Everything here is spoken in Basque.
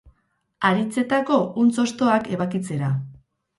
Haritzetako huntz hostoak ebakitzera.